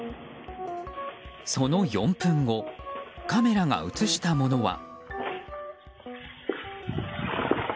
その４分後カメラが映したものは。